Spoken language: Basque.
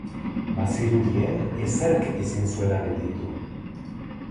Bazirudien ezerk ezin zuela gelditu.